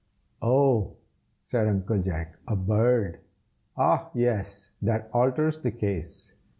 "Oh!" said Uncle Jack; "a bird! ah yes! that alters the case.